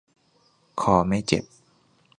คอไม่เจ็บ